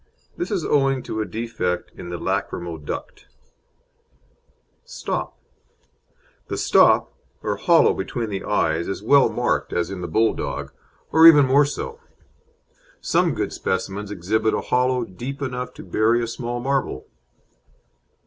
This is owing to a defect in the lachrymal duct. STOP The "stop" or hollow between the eyes is well marked, as in the Bulldog, or even more so; some good specimens exhibit a hollow deep enough to bury a small marble.